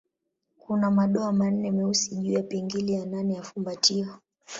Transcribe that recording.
Kuna madoa manne meusi juu ya pingili ya nane ya fumbatio.